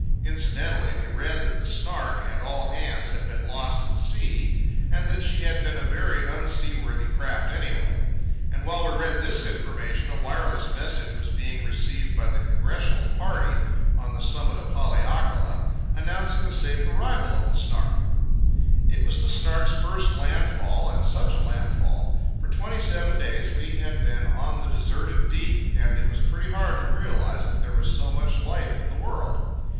Incidentally, we read that the Snark and all hands had been lost at sea, and that she had been a very unseaworthy craft anyway. And while we read this information a wireless message was being received by the congressional party on the summit of Haleakala announcing the safe arrival of the Snark. It was the Snark's first landfall—and such a landfall! For twenty seven days we had been on the deserted deep, and it was pretty hard to realize that there was so much life in the world.